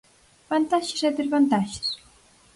Vantaxes e desvantaxes?